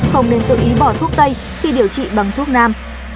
không nên tự ý bỏ thuốc tây khi điều trị bằng thuốc nam